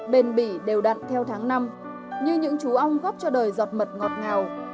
bền bỉ đều đặn theo tháng năm như những chú ong góp cho đời giọt mật ngọt ngào